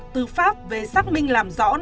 tư pháp về xác minh làm rõ